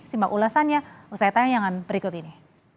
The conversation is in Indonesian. simak ulasannya usai tayangan berikut ini